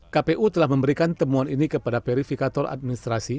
kpu telah memberikan temuan ini kepada verifikator administrasi